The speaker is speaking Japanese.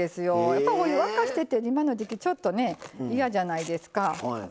やっぱりお湯沸かしてって今の時季ちょっと嫌じゃないですか。